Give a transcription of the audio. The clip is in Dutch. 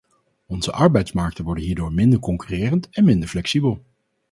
Onze arbeidsmarkten worden hierdoor minder concurrerend en minder flexibel.